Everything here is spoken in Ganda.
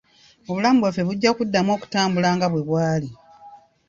Obulamu bwaffe bujjakuddamu okutambula nga bwe bwali.